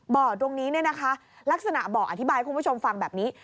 บ่อดองนี้ลักษณะบ่ออธิบายให้คุณผู้ชมฟังแบบนี้